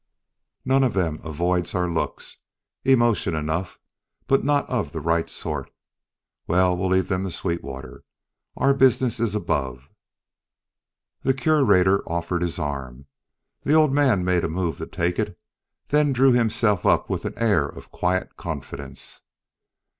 Not one of them avoids our looks. Emotion enough, but not of the right sort. Well, we'll leave them to Sweetwater. Our business is above." The Curator offered his arm. The old man made a move to take it then drew himself up with an air of quiet confidence.